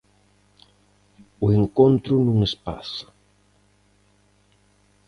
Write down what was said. O encontro nun espazo.